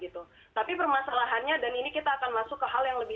tapi permasalahannya dan ini kita akan masuk ke hal yang lebih